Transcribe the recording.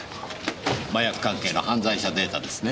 麻薬関係の犯罪者データですね？